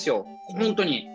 本当に。